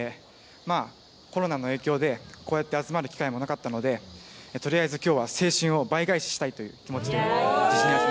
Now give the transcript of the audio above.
コロナの影響で、こうやって集まる機会もなかったので、とりあえずきょうは青春を倍返ししたいという気持ちで。